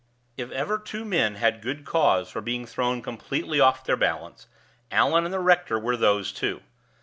If ever two men had good cause for being thrown completely off their balance, Allan and the rector were those two.